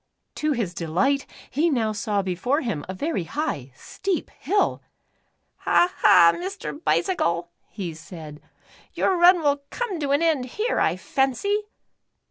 To his delight, he now saw before him a very high, steep hill. " Ha, ha, Mr. Bicycle," said he, "your run will come to an end here, I fancy."